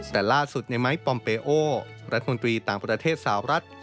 แต่ล่าสุดในไม้ปอมเปโอรัฐมนตรีต่างประเทศสาวรัฐ